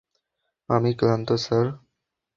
আমি ক্লান্ত, স্যার।